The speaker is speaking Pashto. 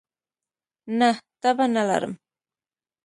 نه، تبه نه لرم